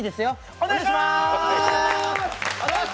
お願いしまーす。